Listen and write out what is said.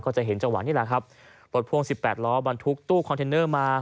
จะเห็นจังหวะนี้แหละครับรถพ่วง๑๘ล้อบรรทุกตู้คอนเทนเนอร์มา